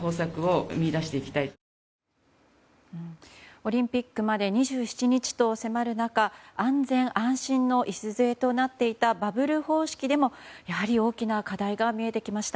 オリンピックまで２７日と迫る中安全・安心の礎となっていたバブル方式でもやはり大きな課題が見えてきました。